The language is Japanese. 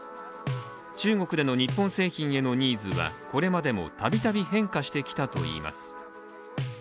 中国での日本製品へのニーズはこれまでもたびたび変化してきたといいます。